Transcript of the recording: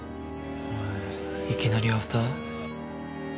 おいいきなりアフター？